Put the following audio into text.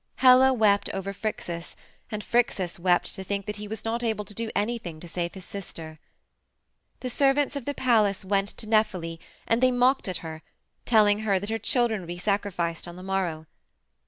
Helle wept over Phrixus, and Phrixus wept to think that he was not able to do anything to save his sister. "The servants of the palace went to Nephele, and they mocked at her, telling her that her children would be sacrificed on the morrow.